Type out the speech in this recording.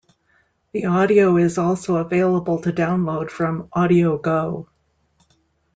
The audio is also available to download from AudioGo.